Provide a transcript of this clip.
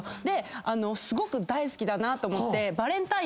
ですごく大好きだなと思って。